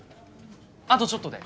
あとちょっとで。